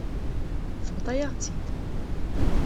Tebḍa-yaɣ-tt-id.